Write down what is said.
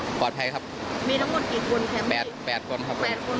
๘คนปลอดภัยหมดกลับมาหมดหรือยังคะ